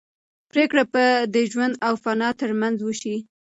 پرېکړه به د ژوند او فنا تر منځ وشي.